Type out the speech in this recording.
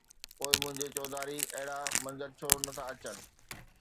پوءِ منهنجي چوڌاري اهڙا منظر ڇو نه ٿا اچن؟